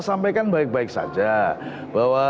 sampaikan baik baik saja bahwa